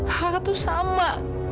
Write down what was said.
kakak tuh sama